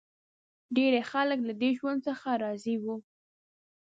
ډېری خلک له دې ژوند څخه راضي و.